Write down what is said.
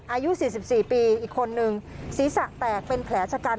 อายุสี่สิบสี่ปีอีกคนนึงศีรษะแตกเป็นแผลชะกัน